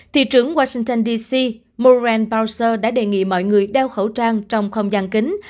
thị trưởng washington dc moran bowser đã đề nghị mọi người đeo khẩu trang trong không gian kính